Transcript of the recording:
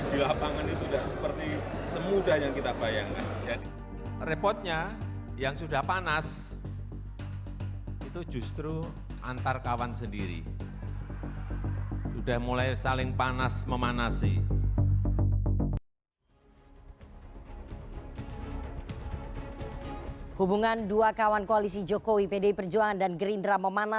di lapangan itu tidak seperti semudah yang kita bayangkan